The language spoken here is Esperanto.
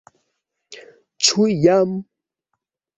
Ĉu jam?